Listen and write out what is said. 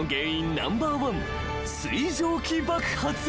ナンバーワン水蒸気爆発］